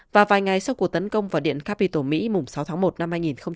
và vài ngày sau cuộc tấn công vào điện capital mỹ mùng sáu tháng một năm hai nghìn hai mươi